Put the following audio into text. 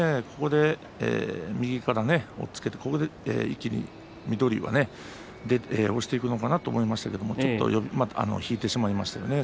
右から押っつけて水戸龍は押していくのかなと思いましたけど引いてしまいましたね。